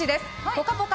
「ぽかぽか」